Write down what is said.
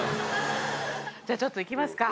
じゃあちょっと行きますか。